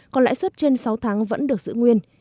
còn lãi suất trên sáu tháng vẫn được giữ nguyên